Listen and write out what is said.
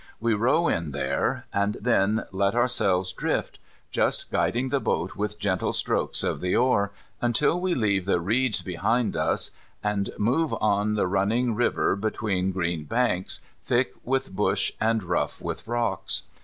We row in there, and then let ourselves drift, just guiding the boat with gentle strokes of the oar, until we leave the reeds behind us, and move on the running river between green banks, thick with bush and rough with rocks.